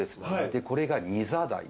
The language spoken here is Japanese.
でこれがニザダイ。